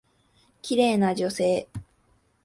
綺麗な女性。